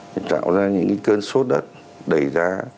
thì tạo ra những cái cơn sốt đất đẩy giá